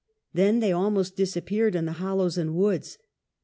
Then they almost disappeared in the hollows and woods.